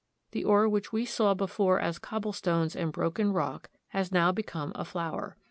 The ore which we saw before as cobblestones and broken rock has now become a flour.